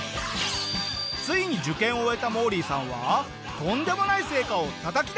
ついに受験を終えたモーリーさんはとんでもない成果をたたき出す事になるんだ！